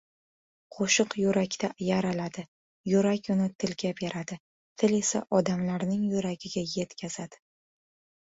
Qo‘shiq yurakda yaraladi, yurak uni tilga beradi, til esa odamlarning yuragiga yetkazadi